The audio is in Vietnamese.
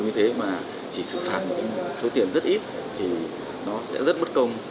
như thế mà chỉ xử phạt một số tiền rất ít thì nó sẽ rất bất công